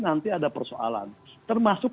nanti ada persoalan termasuk